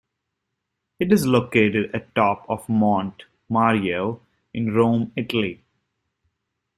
It is located atop of Monte Mario in Rome, Italy.